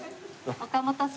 岡本さん